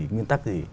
nguyên tắc gì